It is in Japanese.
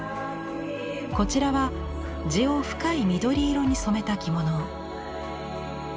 こちらは地を深い緑色に染めた着物。